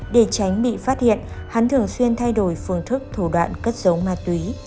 để tránh bị phát hiện hắn thường xuyên thay đổi phương thức thủ đoạn cất giấu ma túy